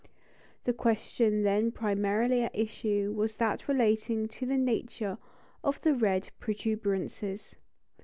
The question then primarily at issue was that relating to the nature of the red protuberances.